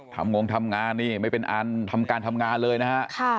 งงทำงานนี่ไม่เป็นอันทำการทำงานเลยนะฮะ